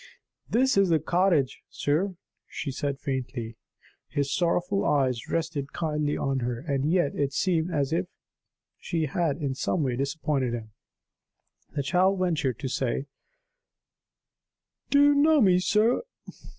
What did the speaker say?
"This is the cottage, sir," she said faintly. His sorrowful eyes rested kindly on her. And yet, it seemed as if she had in some way disappointed him. The child ventured to say: "Do you know me, sir?"